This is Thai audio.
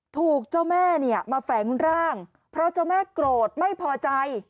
ถูกเจ้าแม่เนี่ยมาแฝงร่างเพราะเจ้าแม่โกรธไม่พอใจ